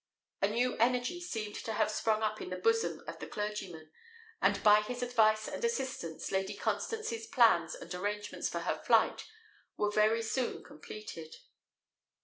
A new energy seemed to have sprung up in the bosom of the clergyman; and by his advice and assistance Lady Constance's plans and arrangements for her flight were very soon completed.